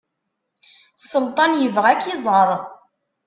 Selṭan ibɣa ad ak-iẓer.